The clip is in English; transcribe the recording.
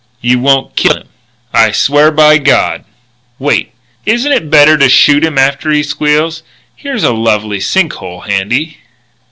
"You won't kill him?" "I swear by God " "Wait! Isn't it better to shoot him after he squeals? Here's a lovely sink hole handy."